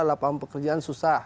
lapangan pekerjaan susah